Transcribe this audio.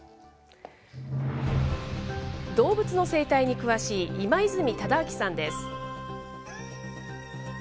動物の生態に詳しい今泉忠明さんです。